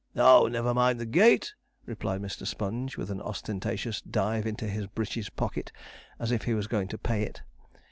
'Oh, never mind the gate,' replied Mr. Sponge, with an ostentatious dive into his breeches pocket, as if he was going to pay it.